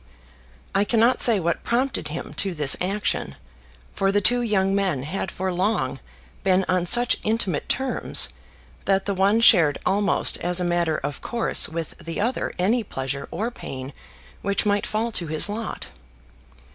I cannot say what prompted him to this action; for the two young men had for long been on such intimate terms that the one shared almost as a matter of course with the other any pleasure or pain which might fall to his lot.